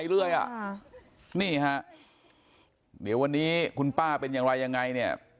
นี่ฮะเดี๋ยววันนี้คุณป้าเป็นอย่างไรยังไงเนี่ย